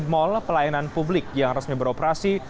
mal pelayanan publik yang resmi beroperasi